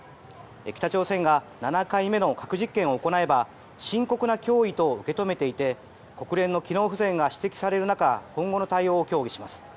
北朝鮮が７回目の核実験を行えば深刻な脅威と受け止めていて国連の機能不全が指摘される中今後の対応を協議します。